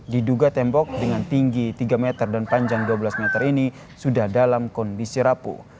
diduga tembok dengan tinggi tiga meter dan panjang dua belas meter ini sudah dalam kondisi rapuh